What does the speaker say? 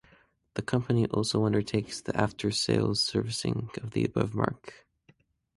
The company also undertakes the after sales servicing of the above marque.